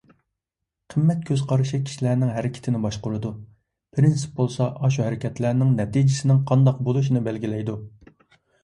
قىممەت كۆز قارىشى كىشىلەرنىڭ ھەرىكىتىنى باشقۇرىدۇ. پىرىنسىپ بولسا ئاشۇ ھەرىكەتلەرنىڭ نەتىجىسىنىڭ قانداق بولۇشىنى بەلگىلەيدۇ.